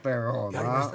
やりました。